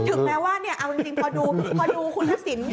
ถึงแม้ว่าเนี่ยเอาจริงพอดูคุณทักษิณ